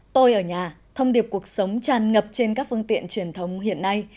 tôi ở nhà thông điệp cuộc sống tràn ngập trên các phương tiện truyền thống hiện nay